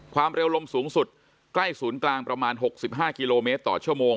ความเร็วลมสูงสุดใกล้ศูนย์กลางประมาณ๖๕กิโลเมตรต่อชั่วโมง